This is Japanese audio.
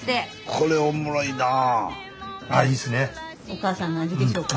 これおもろいなぁ。